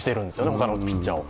他のピッチャーを。